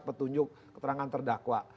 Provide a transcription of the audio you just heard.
petunjuk keterangan terdakwa